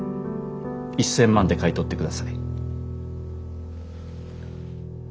１，０００万で買い取ってください。